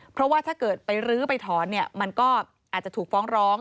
เพราะว่าถ้าเกิดไปรื้อไปถอนเนี่ยมันก็อาจจะถูกฟ้องร้อง